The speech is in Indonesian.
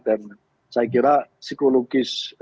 dan saya kira psikologis